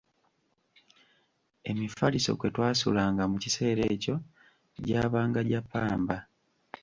Emifaliso kwe twasulanga mu kiseera ekyo gyabanga gya ppamba.